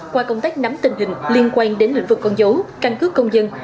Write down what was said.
qua công tác nắm tình hình liên quan đến lĩnh vực con dấu căn cứ công dân